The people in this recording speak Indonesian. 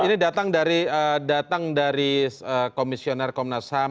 ini datang dari komisioner komnas ham